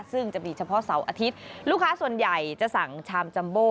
ซึ่งจะมีเฉพาะเสาร์อาทิตย์ลูกค้าส่วนใหญ่จะสั่งชามจัมโบ